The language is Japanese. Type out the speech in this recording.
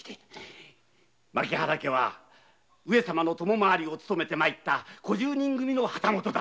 牧原家は上様の供回りを勤めてまいった小十人組の旗本だ。